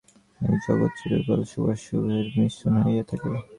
এই জগৎ চিরকাল শুভাশুভের মিশ্রণ হইয়াই থাকিবে।